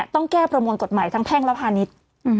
ต้องแก้ประมวลกฎหมายทั้งแพ่งและพาณิชย์